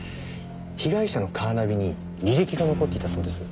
被害者のカーナビに履歴が残っていたそうです。